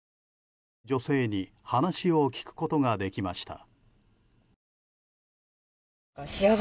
女性に話を聞くことができました。